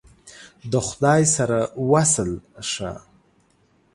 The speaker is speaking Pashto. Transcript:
د خدای سره وصل ښه !